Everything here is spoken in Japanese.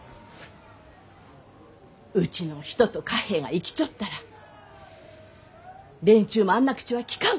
うちの人と嘉平が生きちょったら連中もあんな口はきかんかったろう！